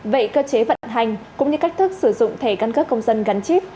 vậy cơ chế vận hành cũng như cách thức sử dụng thẻ căn cước công dân gắn chip